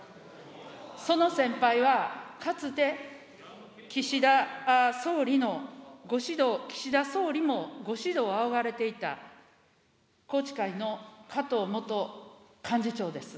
その先輩はかつて岸田総理のご指導、岸田総理もご指導を仰がれていた宏池会の加藤元幹事長です。